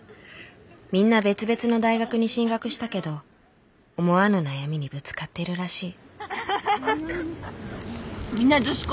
みんな別々の大学に進学したけど思わぬ悩みにぶつかっているらしい。